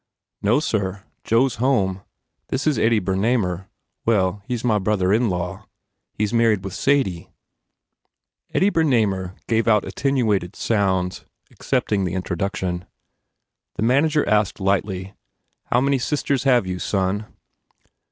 "No, sir. Joe s home. This is Eddie Ber namer. Well, he s my brother in law. He s married with Sadie." Eddie Bernamer gave out attenuated sounds, accepting the introduction. The manager asked lightly, "How many sisters have you, son?"